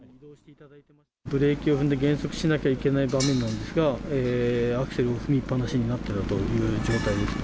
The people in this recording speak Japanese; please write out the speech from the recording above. ブレーキを踏んで減速しなきゃいけない場面なのですが、アクセルを踏みっぱなしになっていたという状態です。